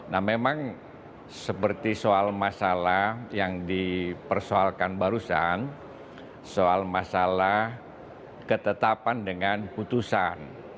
nah memang seperti soal masalah yang dipersoalkan barusan soal masalah ketetapan dengan putusan